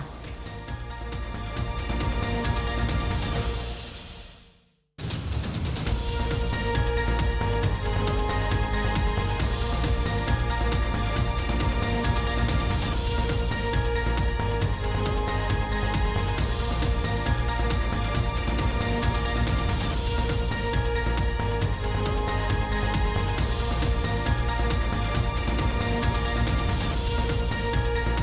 สวัสดีค่ะ